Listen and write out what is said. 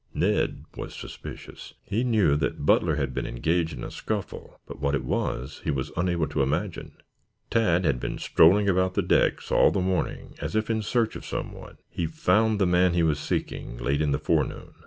Ned was suspicious. He knew that Butler had been engaged in a scuffle, but what it was he was unable to imagine. Tad had been strolling about the decks all the morning, as if in search of someone. He found the man he was seeking late in the forenoon.